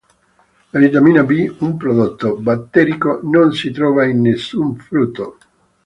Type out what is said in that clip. La vitamina B, un prodotto batterico, non si trova in nessun frutto.